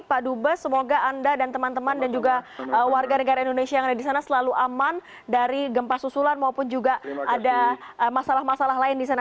pak dubes semoga anda dan teman teman dan juga warga negara indonesia yang ada di sana selalu aman dari gempa susulan maupun juga ada masalah masalah lain di sana